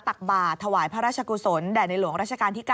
ตักบาทถวายพระราชกุศลแด่ในหลวงราชการที่๙